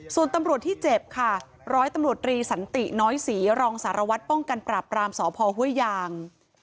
ส่วนตำรวจที่เจ็บค่ะร้อยตำรวจรีสันติน้อยศรีรองสารวัตรป้องกันปราบรามสพห้วยยาง